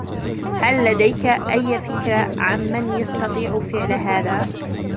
هل لديك اي فكرة عن من يستطيع فعل هذا ؟